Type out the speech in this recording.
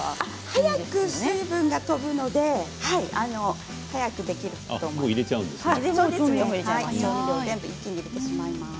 早く水分が飛ぶので早くできると思います。